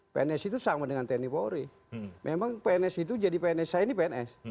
pns itu sama dengan tni polri memang pns itu jadi pns saya ini pns